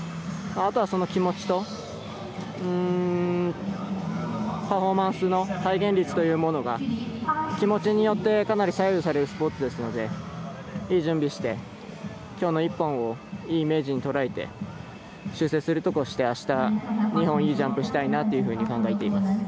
あとは気持ちとパフォーマンスの再現率というのが気持ちによって左右されるスポーツですのでいい準備して、きょうの１本をいいイメージにとらえて修正するとこをしてあした２本ジャンプしたいなというふうに考えています。